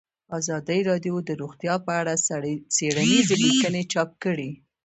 ازادي راډیو د روغتیا په اړه څېړنیزې لیکنې چاپ کړي.